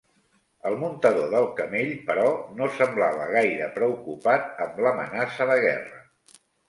El muntador del camell, però, no semblava gaire preocupat amb l'amenaça de guerra.